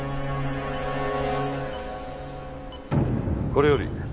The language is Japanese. これより。